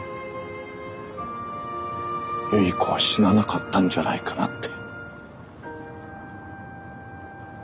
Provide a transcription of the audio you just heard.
有依子は死ななかったんじゃないかなって。